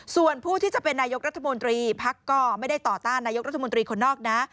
ส่วนผู้ที่จะเป็นนายกรัฐมนตรีพักก็ไม่ได้ต่อต้านนายกรัฐมนตรีคนนอกนะ